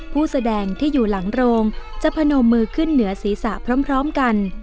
ผู้แสดงที่อยู่หลังโรงจะพนมมือขึ้นเหนือศีรษะพร้อมกัน